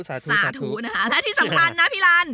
และที่สำคัญนะพี่รัน